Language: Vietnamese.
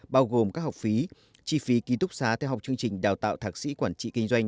bao gồm các học phí chi phí ký túc xá theo học chương trình đào tạo thạc sĩ quản trị kinh doanh